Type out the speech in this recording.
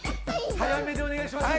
早めでお願いします。